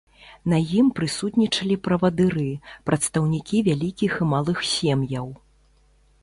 На ім прысутнічалі правадыры, прадстаўнікі вялікіх і малых сем'яў.